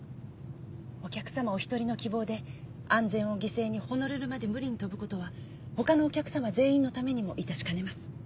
お客さまお一人の希望で安全を犠牲にホノルルまで無理に飛ぶことはほかのお客さま全員のためにもいたしかねます。